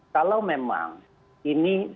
kalau memang ini